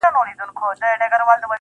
د خپلي ژبي په بلا.